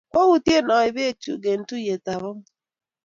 Kwoutyen aip peek chuk eng' tuyet ap amut